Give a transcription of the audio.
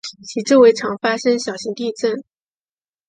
其周围常发生小型地震。